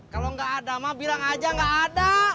kalo gak ada mah bilang aja gak ada